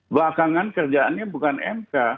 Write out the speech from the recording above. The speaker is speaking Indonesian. belakangan kerjaannya bukan mk